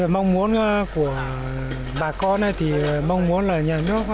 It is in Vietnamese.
mong muốn của bà con thì mong muốn là nhà nước